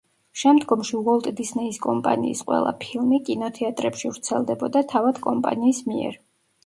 შემდგომში უოლტ დისნეის კომპანიის ყველა ფილმი კინოთეატრებში ვრცელდებოდა თავად კომპანიის მიერ.